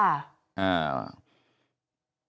ห้า